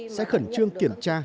sẽ khẩn trương kiểm tra